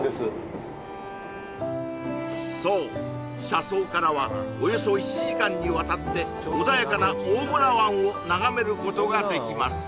車窓からはおよそ１時間にわたって穏やかな大村湾を眺めることができます